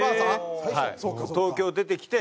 東京出てきて。